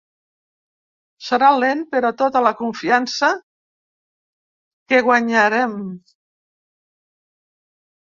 Serà lent però tota la confiança que guanyarem.